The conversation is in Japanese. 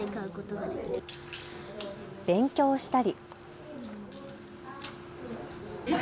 勉強したり。